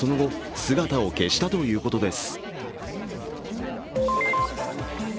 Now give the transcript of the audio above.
猿はその後、姿を消したということです。